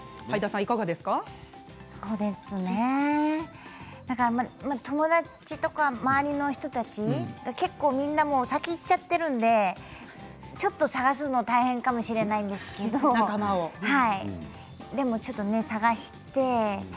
そうですね友達とか周りの人たち結構みんな先にいっちゃってるのでちょっと探すの大変かもしれないですけれど仲間をね。